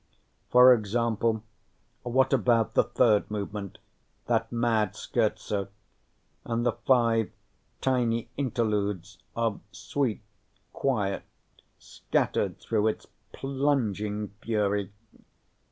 For example, what about the third movement, that mad Scherzo, and the five tiny interludes of sweet quiet scattered through its plunging fury?